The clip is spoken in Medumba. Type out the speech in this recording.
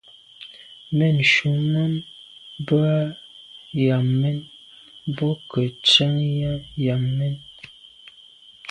Mɛ̂n nshûn ὰm bə α̂ Yâmɛn Bò kə ntsiaŋ i α̂ Yâmɛn.